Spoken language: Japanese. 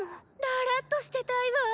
だらっとしてたいわ。